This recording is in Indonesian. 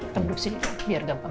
produksi biar gampang